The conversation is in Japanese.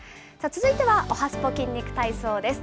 続いてはおはＳＰＯ筋肉体操です。